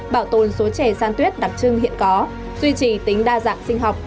bảo tồn số trẻ san tuyết đặc trưng hiện có duy trì tính đa dạng sinh học